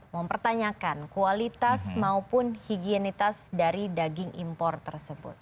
mempertanyakan kualitas maupun higienitas dari daging impor tersebut